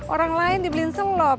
orang lain dibeli selop